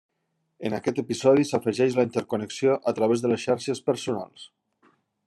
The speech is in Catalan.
En aquest episodi s’afegeix la interconnexió a través de les xarxes personals.